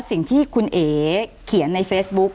สิ่งที่คุณเอ๋เขียนในเฟซบุ๊ก